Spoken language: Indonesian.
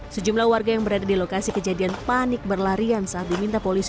sejumlah warga yang berada di lokasi kejadian panik berlarian saat diminta polisi